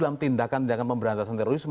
dalam tindakan tindakan pemberantasan terorisme